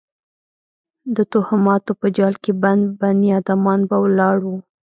د توهماتو په جال کې بند بنیادمان به ولاړ وو.